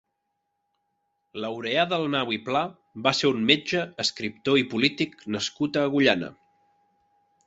Laureà Dalmau i Pla va ser un metge, escriptor i polític nascut a Agullana.